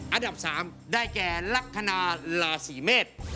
อันดับ๓ได้แกล่ลักษณาตาลาสีเมศ